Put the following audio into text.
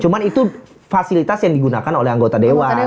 cuma itu fasilitas yang digunakan oleh anggota dewan